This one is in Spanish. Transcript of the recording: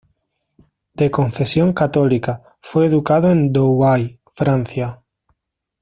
De confesión católica, fue educado en Douai, Francia.